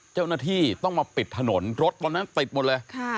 เจ้าหน้าที่ต้องมาปิดถนนรถตอนนั้นปิดหมดเลย